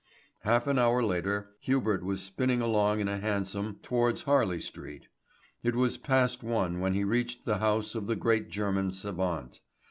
Half an hour later Hubert was spinning along in a hansom towards Harley Street. It was past one when he reached the house of the great German savant.